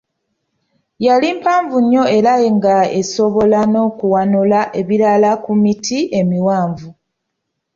Yali mpanvu nnyo era nga esobola n'okuwanula ebibala ku miti emiwanvu.